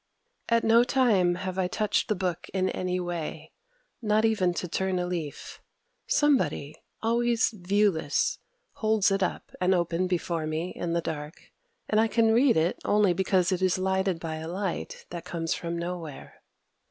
At no time have I touched the book in any way, not even to turn a leaf. Somebody, always viewless, holds it up and open before me in the dark; and I can read it only because it is lighted by a light that comes from nowhere.